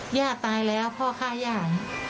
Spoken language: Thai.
หญ้าตายแล้วพ่อฆ่าหญ้า